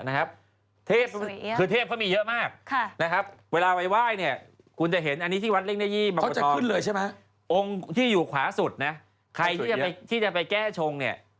ในรูปข้าวของเวลาข้าวใครที่จะไปแก้ชง